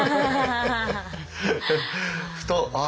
ふとあれ？